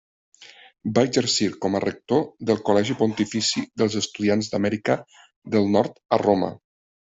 Va exercir com a rector del Col·legi Pontifici dels estudiants d'Amèrica del Nord a Roma.